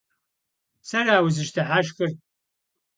Сэра узыщыдыхьэшхыр?